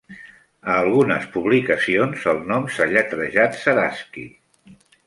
A algunes publicacions el nom s'ha lletrejat Ceraski.